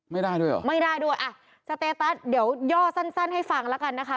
ไม่ได้ด้วยเหรอไม่ได้ด้วยอ่ะสเตตัสเดี๋ยวย่อสั้นสั้นให้ฟังแล้วกันนะคะ